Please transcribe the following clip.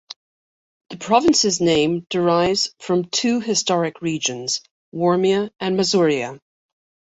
The province's name derives from two historic regions, Warmia and Masuria.